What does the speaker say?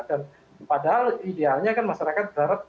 dan padahal idealnya kan masyarakat berada di sana